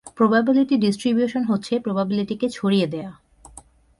Probability distribution হচ্ছে প্রবাবিলিটিকে ছড়িয়ে দেয়া।